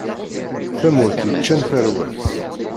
Tamurt yeččan tarwa-s.